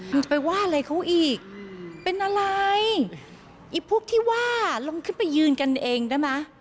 จะไปว่าอะไรเขาอีกเป็นอะไรไอ้พวกที่ว่าลงขึ้นไปยืนกันเองได้ไหม